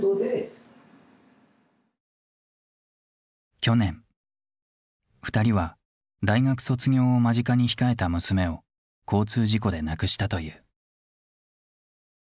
去年２人は大学卒業を間近に控えた娘を交通事故で亡くしたという。